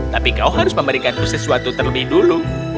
tapi kau harus memberikanku sesuatu terlebih dulu